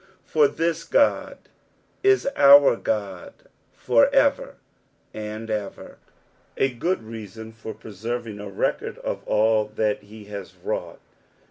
For titit Qod i* our Qod for ever and ner." A good reason for E reserving a record of alt that he has wrought.